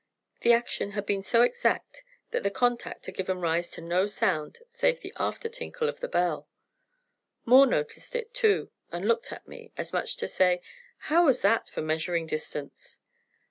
The action had been so exact that the contact had given rise to no sound save the after tinkle of the bell. Moore noticed it too, and looked at me, as much as to say: "How was that, for measuring distance?"